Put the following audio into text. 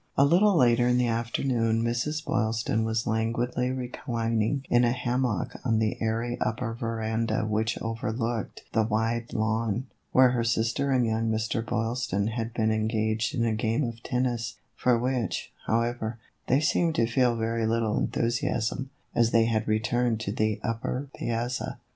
A little later in the afternoon Mrs. Boylston was languidly reclining in a hammock on the airy upper veranda which overlooked the wide lawn, where her sister and young Mr. Boylston had been engaged in a game of tennis, for which, however, they seemed to feel very little enthusiasm, as they had returned to the upper piazza.